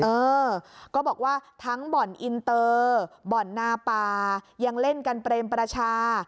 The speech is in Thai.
เออก็บอกว่าทั้งบ่อนอินเตอร์บ่อนนาป่ายังเล่นกันเปรมประชา